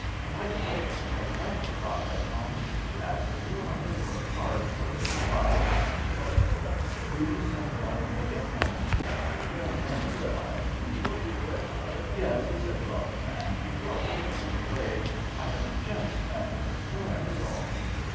By the way, I quite forgot I promised to ask Lady Broadhem for a card for Lady Wylde and her daughter; will you send one when you get home? You don't know Miss Wylde, do you?" "Yes," said Broadhem, and he coloured and looked away; "I have just met her, and that is all.